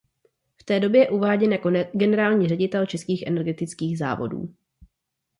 V té době je uváděn jako generální ředitel Českých energetických závodů.